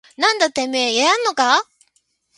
なんだててめぇややんのかぁ